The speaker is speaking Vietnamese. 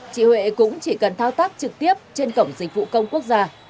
chị huệ cũng chỉ cần thao tác trực tiếp trên cổng dịch vụ công quốc gia